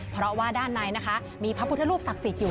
เพราะว่าด้านในนะคะมีพระพุทธรูปศักดิ์สิทธิ์อยู่